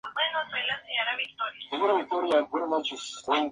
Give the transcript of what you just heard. Dan conferencias por todo el mundo.